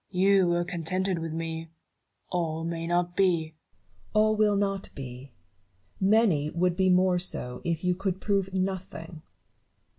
Newton. You were contented with me ; all may not be. Barrow. All will not be : many would be more so if you could prove nothing.